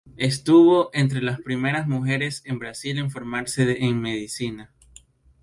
Estuvo entre las primeras mujeres en Brasil en formarse en Medicina.